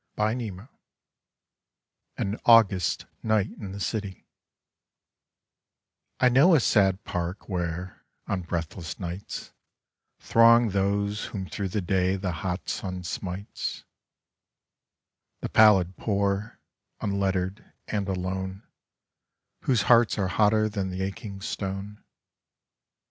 t ji ] i AN AUGUST NIGHT IN THE CITY T KNOW a sad park where, on breathless nights, ■* Throng those whom througji the day the hot sun smites — The pallid poor, unlettered and alone, Whose hearts are hotter than the aching stone.